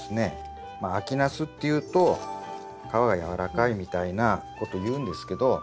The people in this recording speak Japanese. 秋ナスっていうと皮がやわらかいみたいなこというんですけど。